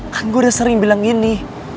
kan gue udah sering bilang gini